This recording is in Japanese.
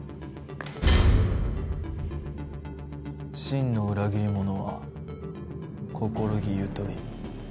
真の裏切り者は心木ゆとり。